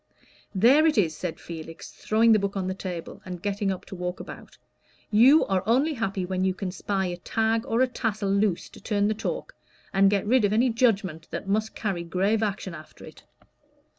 "There it is!" said Felix, throwing the book on the table, and getting up to walk about. "You are only happy when you can spy a tag or a tassel loose to turn the talk, and get rid of any judgment that must carry grave action after it."